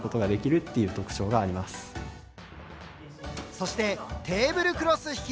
そしてテーブルクロス引き。